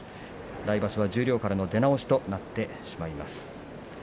来場所は十両からの出直しとなってしまいます。